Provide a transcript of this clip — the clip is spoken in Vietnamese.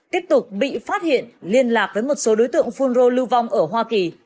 tiếp tục bị phát hiện liên lạc với một số đối tượng phun rô lưu vong ở hoa kỳ